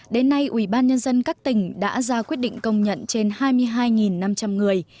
đến nay ủy ban nhân dân các tỉnh đã ra quyết định công nhận trên hai mươi hai năm trăm linh người